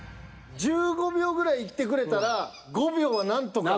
１５秒ぐらいいってくれたら５秒は何とか。